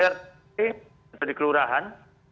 rw di kelurahan